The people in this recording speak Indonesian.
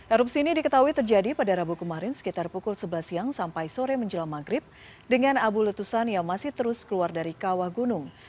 erupsi ini diketahui terjadi pada rabu kemarin sekitar pukul sebelas siang sampai sore menjelang maghrib dengan abu letusan yang masih terus keluar dari kawah gunung